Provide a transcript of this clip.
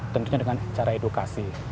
tentunya dengan cara edukasi